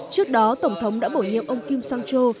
trước đó tổng thống đã bổ nhiệm ông kim sang châu